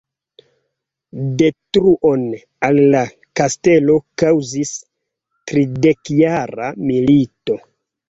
Detruon al la kastelo kaŭzis tridekjara milito.